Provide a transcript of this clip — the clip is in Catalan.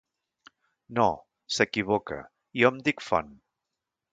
No, s'equivoca. Jo em dic Font.